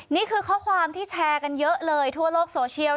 นี่คือข้อความที่แชร์กันเยอะเลยทั่วโลกโซเชียล